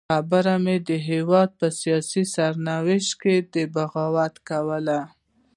خبره مې د هېواد په سیاسي سرنوشت کې د بغاوت کوله.